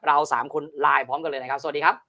สามคนไลน์พร้อมกันเลยนะครับสวัสดีครับ